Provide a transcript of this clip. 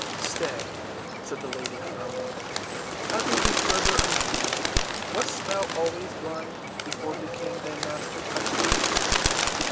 "Stay," said the lady frowning, "I will be further amused. Wast thou always blind—before the King, thy Master, touched thee?"